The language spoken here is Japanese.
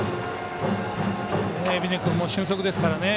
海老根君も俊足ですからね。